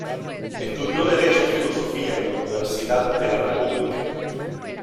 Estudió Derecho y Filosofía en la Universidad de la República.